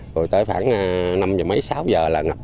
rồi tới khoảng năm giờ mấy sáu giờ là ngập